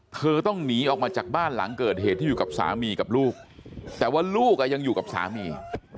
เธอต้องหนีออกมาจากบ้านหลังเกิดเหตุที่อยู่กับสามีกับลูกแต่ว่าลูกยังอยู่กับสามี